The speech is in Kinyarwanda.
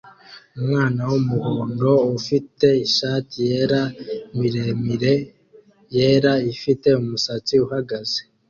umwana wumuhondo ufite ishati yera miremire yera ifite umusatsi uhagaze